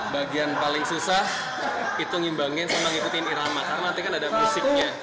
bagian paling susah itu ngimbangin sama ngikutin irama karena nanti kan ada musiknya